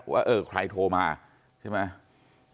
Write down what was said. ว่าเออใครโทรมาใช่ไหม